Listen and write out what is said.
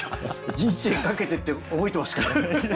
「人生かけて」って覚えてますからね。